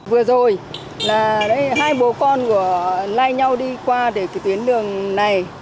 vừa rồi hai bố con của lai nhau đi qua tuyến đường này